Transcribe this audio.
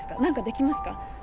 何かできますか？